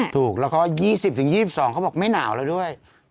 ถูกแล้วก็ยี่สิบถึงยี่สิบสองมันบอกว่าไม่หนาวแล้วด้วย